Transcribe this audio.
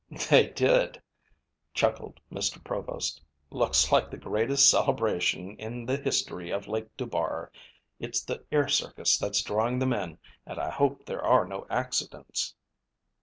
"They did," chuckled Mr. Provost. "Looks like the greatest celebration in the history of Lake Dubar. It's the air circus that's drawing them in and I hope there are no accidents."